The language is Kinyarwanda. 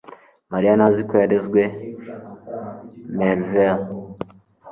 Mariya ntazi ko yarezwe mervert